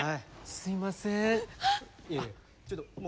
すいません